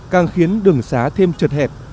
càng khiến đường xá thêm trật hẹp